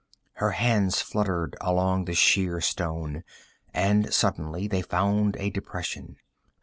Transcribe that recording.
Her hands fluttered along the sheer stone, and suddenly they found a depression.